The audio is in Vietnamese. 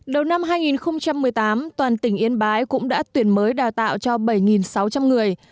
đầu năm hai nghìn một mươi tám toàn tỉnh yên bái cũng đã tuyển mới đào tạo cho bảy sáu trăm linh người